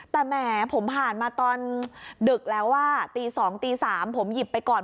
แต่แหมผมผ่านมาตอนดึกแล้วอ่ะตี๒ตี๓ผมหยิบไปก่อน